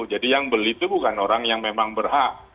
jadi yang beli itu bukan orang yang memang berhak